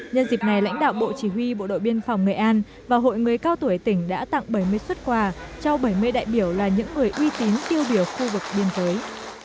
nhân dịp này lãnh đạo bộ chỉ huy bộ đội biên phòng nghệ an và hội người cao tuổi tỉnh đã tặng bảy mươi xuất quà cho bảy mươi đại biểu là những người uy tín tiêu biểu khu vực biên giới